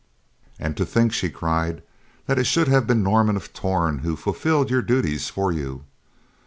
"And to think," she cried, "that it should have been Norman of Torn who fulfilled your duties for you.